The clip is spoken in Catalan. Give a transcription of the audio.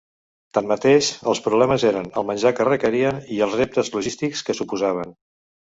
Tanmateix, els problemes eren el menjar que requerien i els reptes logístics que suposaven.